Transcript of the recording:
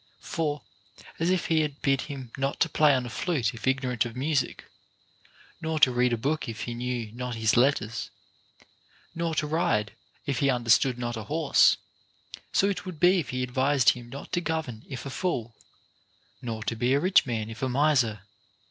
For, as if he had bid him not to play on a flute if ignorant of music, nor to read a book if he knew not his letters, nor to ride if he understood not a horse, so it would be if he advised him not to govern if a fool, nor to be a rich man if a miser, * Hesiod, Works and Days, 86. OF FORTUNE. 4.